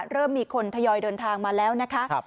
เริ่มมีคนทยอยเดินทางมาแล้วนะคะ